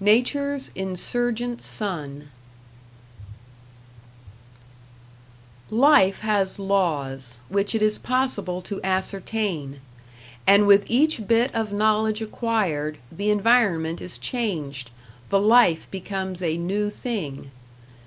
#Nature's Insurgent Son# Life has laws, which it is possible to ascertain; and with each bit of knowledge acquired, the environment is changed, the life becomes a new thing.